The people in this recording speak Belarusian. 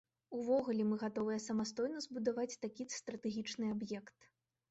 Увогуле, мы гатовыя самастойна збудаваць такі стратэгічны аб'ект.